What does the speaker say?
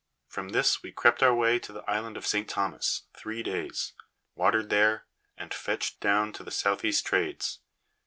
From this we crept our way to the Island of St. Thomas, three days; watered there, and fetched down to the south east trades.